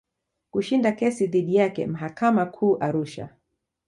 Kushinda kesi dhidi yake mahakama Kuu Arusha.